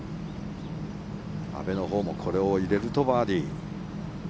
阿部のほうもこれを入れるとバーディー。